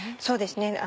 そうですね。